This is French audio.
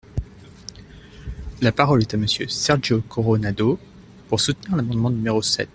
La parole est à Monsieur Sergio Coronado, pour soutenir l’amendement numéro sept.